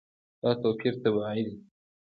دا توپیر طبیعي دی.